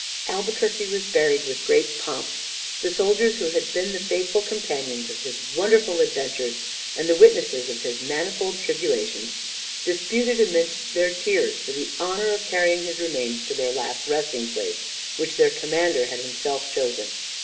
Albuquerque was buried with great pomp. The soldiers who had been the faithful companions of his wonderful adventures, and the witnesses of his manifold tribulations, disputed amidst their tears for the honour of carrying his remains to their last resting place, which their commander had himself chosen.